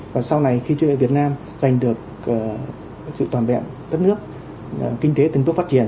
và sau này khi triều tiên việt nam giành được sự toàn bẹn đất nước kinh tế từng tốt phát triển